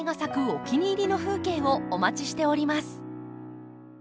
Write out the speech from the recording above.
お気に入りの風景をお待ちしております。